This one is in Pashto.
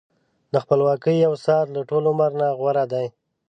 د خپلواکۍ یو ساعت له ټول عمر نه غوره دی.